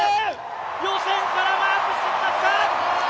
予選からマークしてきた！